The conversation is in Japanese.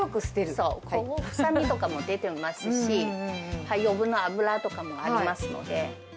そう、臭みとかも出てますし、余分な脂とかもありますので。